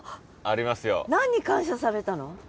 何に感謝されたの？